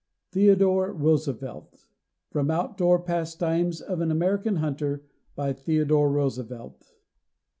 THEODORE ROOSEVELT. From "Outdoor Pastimes of an American Hunter," by Theodore Roosevelt.